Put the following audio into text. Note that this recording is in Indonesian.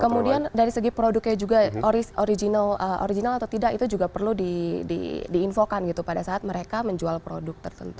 kemudian dari segi produknya juga original atau tidak itu juga perlu diinfokan gitu pada saat mereka menjual produk tertentu